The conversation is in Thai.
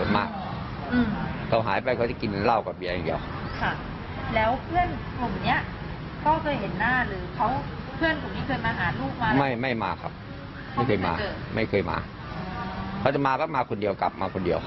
ไม่เคยมาเค้าจะมาก็มาคนเดียวกลับมาคนเดียว